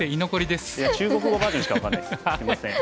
すいません。